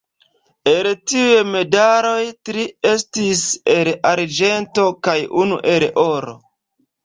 El tiuj medaloj tri estis el arĝento kaj unu el oro.